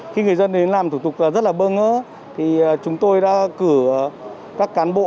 khi người dân đến làm thủ tục rất là bơ ngỡ thì chúng tôi đã cử các cán bộ